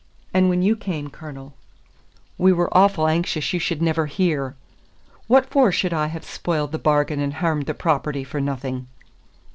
And when you cam, Cornel, we were awfu' anxious you should never hear. What for should I have spoiled the bargain and hairmed the property for no thing?"